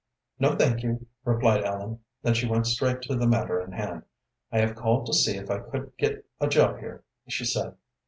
"No, thank you," replied Ellen. Then she went straight to the matter in hand. "I have called to see if I could get a job here?" she said.